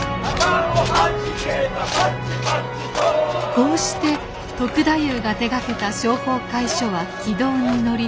こうして篤太夫が手がけた商法會所は軌道に乗り